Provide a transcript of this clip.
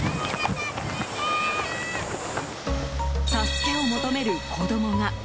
助けを求める子供が。